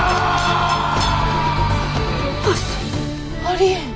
ありえん！